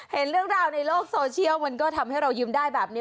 เห็นเรื่องราวในโลกโซเชียลมันก็ทำให้เรายิ้มได้แบบนี้